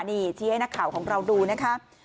นี่ชี้ให้นักข่าวของเราดูนะคะ